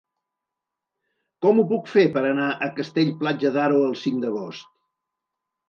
Com ho puc fer per anar a Castell-Platja d'Aro el cinc d'agost?